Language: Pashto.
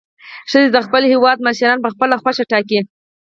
ښځې د خپل هیواد مشران په خپله خوښه ټاکي.